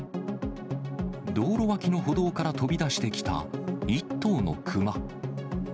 道路脇の歩道から飛び出してきた１頭のクマ。